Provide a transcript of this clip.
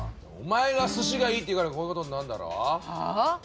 お前がすしがいいって言うからこういうことになんだろ。はあ？